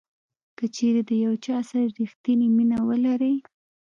کچیرې د یو چا سره ریښتینې مینه ولرئ.